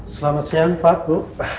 selamat siang pak bu